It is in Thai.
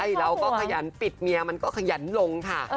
ใช่เราก็ขยันปิดเมียมันก็ขยันลงค่ะ